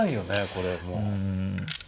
これもう。